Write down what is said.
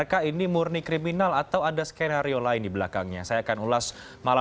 kondisi kebebasan beragama di indonesia sendiri masih punya banyak masalah